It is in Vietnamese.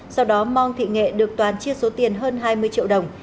sau đó mong thị nghệ được toàn chia số tiền hơn hai mươi triệu đồng